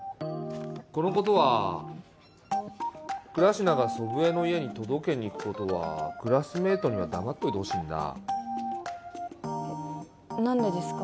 このことは倉科が祖父江の家に届けに行くことはクラスメイトには黙っといてほしいんだ何でですか？